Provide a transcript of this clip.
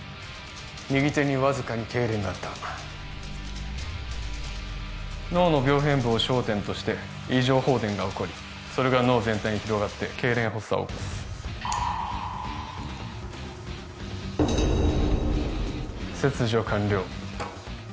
右手にわずかにけいれんがあった脳の病変部を焦点として異常放電が起こりそれが脳全体に広がってけいれん発作を起こす切除完了